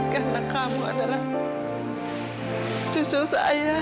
karena kamu adalah cucu saya